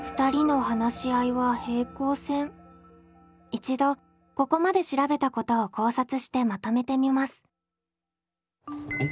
一度ここまで調べたことを考察してまとめてみます。